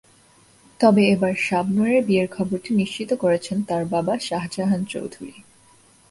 তবে এবার শাবনূরের বিয়ের খবরটি নিশ্চিত করেছেন তাঁর বাবা শাহজাহান চৌধুরী।